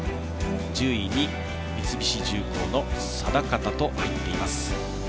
１０位に三菱重工の定方と入っています。